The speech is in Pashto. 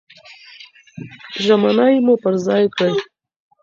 ژمني مو پر ځای کړئ.